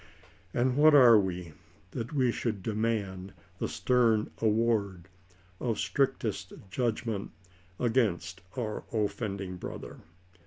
And what are we, that we should demand the stern award of strictest justice against our oflending brother?